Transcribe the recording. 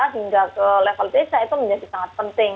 hingga ke level desa itu menjadi sangat penting